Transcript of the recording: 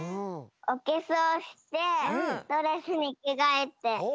おけしょうしてドレスにきがえて。